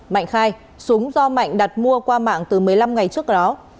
mạnh khai súng do mạnh đặt mua qua mạng từ một mươi năm ngày trước đó